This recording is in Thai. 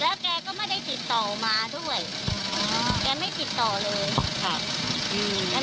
แล้วแกก็ไม่ได้ติดต่อมาด้วยแกไม่ติดต่อเลยค่ะอืม